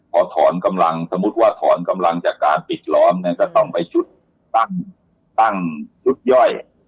พอถอนกำลังสมมุติว่าถอนกำลังจากการปิดล้อมเนี่ยก็ต้องไปจุดตั้งชุดย่อย